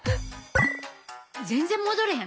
全然戻れへん。